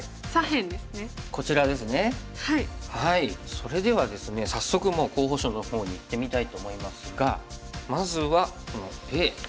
それではですね早速もう候補手の方にいってみたいと思いますがまずはこのＡ。